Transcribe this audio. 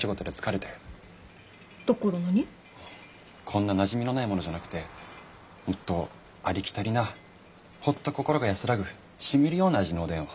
こんななじみのないものじゃなくてもっとありきたりなホッと心が安らぐしみるような味のおでんを。